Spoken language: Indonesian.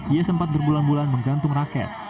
ia sempat berbulan bulan menggantung rakyat